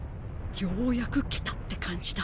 ようやく来たって感じだ